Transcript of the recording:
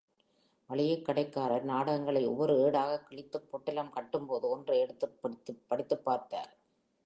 மளிகைக் கடைக்காரர், நாடகங்களை ஒவ்வொரு ஏடாகக் கிழித்துப் பொட்டலம் கட்டும்போது, ஒன்றை எடுத்துப் படித்துப் பார்த்தார்.